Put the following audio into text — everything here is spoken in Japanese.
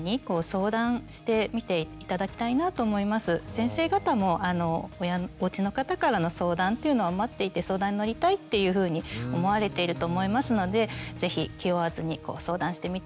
先生方もおうちの方からの相談というのは待っていて相談に乗りたいっていうふうに思われていると思いますので是非気負わずに相談してみてはというふうに思います。